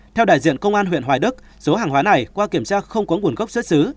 theo đại diện công an huyện hoài đức số hàng hóa này qua kiểm tra không có nguồn gốc xuất xứ